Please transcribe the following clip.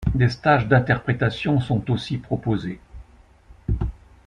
Des stages d'interprétations sont aussi proposés.